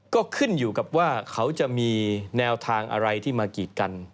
ก็ขึ้นอยู่กับว่าเขาจะมีแนวทางอะไรที่มากีดกัน